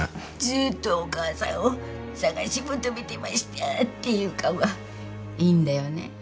ずーっとお母さんを捜し求めてましたっていう顔がいいんだよね。